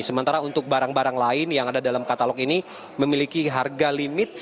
sementara untuk barang barang lain yang ada dalam katalog ini memiliki harga limit